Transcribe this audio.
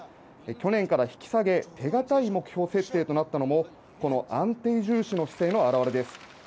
去年から引き下げ、手堅い目標設定となったのもこの安定重視の姿勢の表れです。